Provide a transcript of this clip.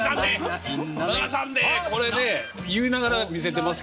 これね言いながら見せてますけど。